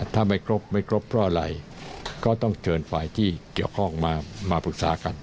ถ้าไม่ครบไม่ครบเพราะอะไรก็ต้องเชิญฝ่ายที่เกี่ยวข้องมาปรึกษากัน